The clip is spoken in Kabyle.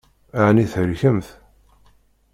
Ɛni thelkemt?